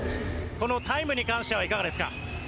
このタイムに関してはいかがですか？